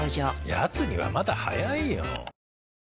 やつにはまだ早いよ。